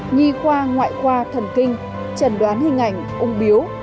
nhi khoa ngoại khoa thần kinh trần đoán hình ảnh ung biếu